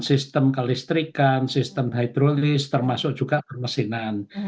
sistem kelistrikan sistem hydrolist termasuk juga permesinan